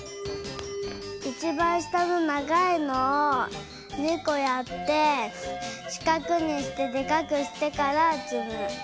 いちばんしたのながいのを２こやってしかくにしてでかくしてからつむ。